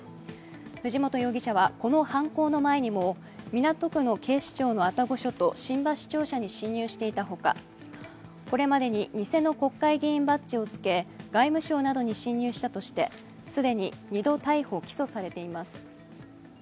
藤本容疑者はこの犯行の前にも港区の警視庁の愛宕署と新橋庁舎に侵入していたほか、これまでに偽の国会議員バッジをつけ、外務省などに侵入したとして既に２度逮捕・起訴されています。